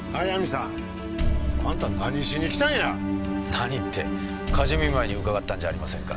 何って火事見舞いに伺ったんじゃありませんか。